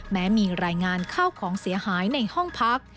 แม้มีรายงานข้าวของเสียหายในห้องพัก